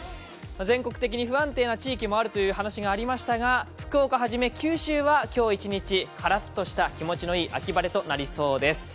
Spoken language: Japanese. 全国的に不安定な地域もあるという話がありましたが、福岡はじめ九州は今日一日、カラッとした秋晴れとなりそうです。